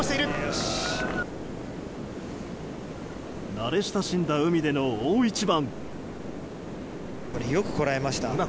慣れ親しんだ海での大一番。